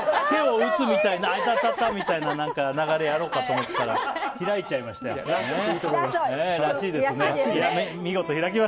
手を打つみたいなあいたたたみたいな流れをやろうかと思ったら開いちゃいましたね。